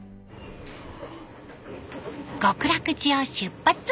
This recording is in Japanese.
極楽寺を出発！